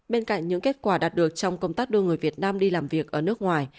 bên cạnh những kết quả đạt được trong công tác đưa người việt nam đi làm việc ở nước ngoài